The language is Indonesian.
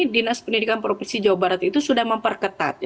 dinas pendidikan provinsi jawa barat itu sudah memperketat